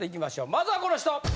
まずはこの人！